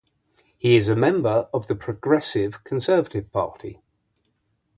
He is a member of the Progressive Conservative Party.